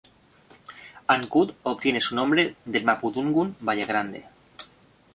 Ancud obtiene su nombre del mapudungun "valle grande".